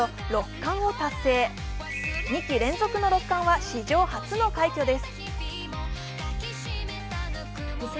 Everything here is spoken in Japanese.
２期連続の６冠は史上初の快挙です。